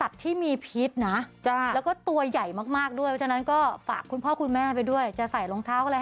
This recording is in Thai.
ฝากคุณพ่อคุณแม่ไปด้วยจะใส่รองเท้าอะไร